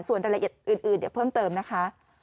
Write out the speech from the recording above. ส่วนรายละเอียดอื่นเดี๋ยวเพิ่มเติมนะคะ